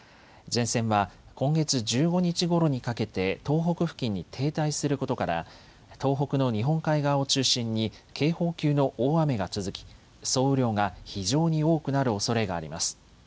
前線は今月１５日ごろにかけて東北付近に停滞することから東北の日本海側を中心に警報級の大雨が続き、総雨量が非常に多くなるおそれがあります。